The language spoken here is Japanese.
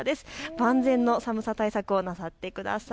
万全の寒さ対策をなさってください。